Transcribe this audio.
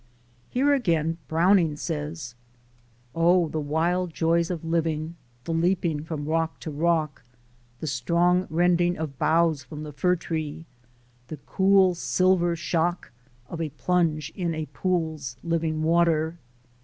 Here again Browning says : "Oh, the wild joys of living! the leaping from rock to rock, The strong rending of boughs from the fir tree, the cool silver shock Of a plunge in a pool's living water.